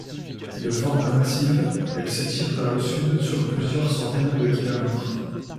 De forme massive, elle s'étire vers le sud sur plusieurs centaines de kilomètres.